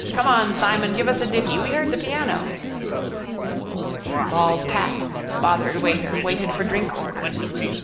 Come on, Simon. Give us a ditty. We heard the piano. Bald Pat, bothered waiter, waited for drink orders.